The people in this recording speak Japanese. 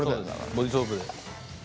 ボディソープで。